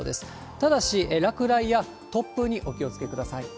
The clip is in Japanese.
ただし落雷や突風にお気をつけください。